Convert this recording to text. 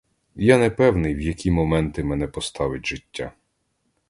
Я не певний, в які моменти мене поставить життя.